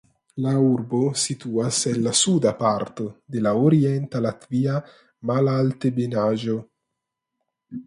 La urbo situas en la suda parto de la Orienta Latvia malaltebenaĵo.